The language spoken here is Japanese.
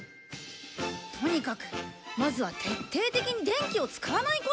とにかくまずは徹底的に電気を使わないことだよ。